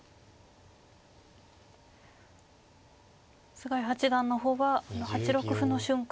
菅井八段の方は８六歩の瞬間